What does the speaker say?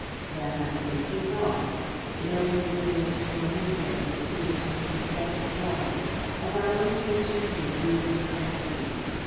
That, I think, is all. It only remains for me, Gregory, to wish you success abroad. Of our own future here, we will not speak.